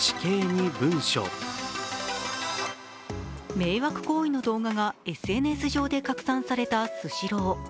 迷惑行為の動画がＳＮＳ上で拡散されたスシロー。